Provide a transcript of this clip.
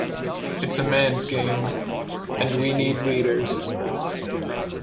It's a man's game — and we need leaders.